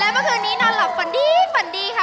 เมื่อคืนนี้นอนหลับฝันดีฝันดีค่ะ